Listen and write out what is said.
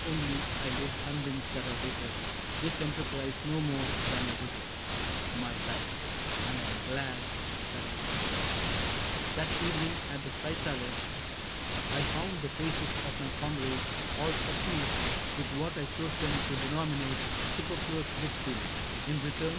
Only, I live convinced that I regret This enterprise no more than I regret My life; and I am glad that I was born, yr/^^ That evening, at " The Chrysalis," I found The faces of my comrades all suffused With what I chose then to denominate Superfluous good feeling. In return.